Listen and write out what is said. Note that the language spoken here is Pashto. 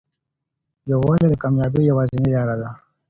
یووالی د کامیابۍ یوازینۍ لاره ده.